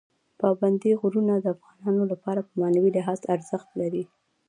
پابندی غرونه د افغانانو لپاره په معنوي لحاظ ارزښت لري.